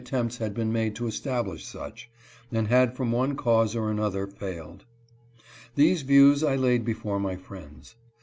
tempts had been made to establish such, and had from one cause or another failed. These views I laid before my friends.